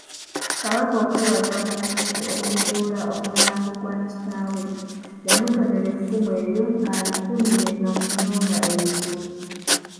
Kabaka okwebaza Ggunju okuzuula omulambo gwa kitaawe, yamutonera effumu eryo alikuumirenga mu nnoma ezo.